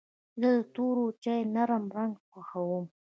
زه د تور چای نرم رنګ خوښوم.